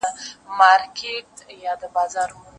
د ښار کیسه نسته تاریخ پر هدیرو جوړیږي